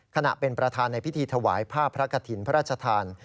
ขณะเป็นประธานในพิธีถวายผ้าพระกฐินพระราชทาน